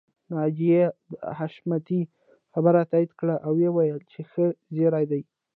ناجيې د حشمتي خبره تاييد کړه او وويل چې ښه زيری دی